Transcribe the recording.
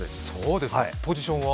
ポジションは？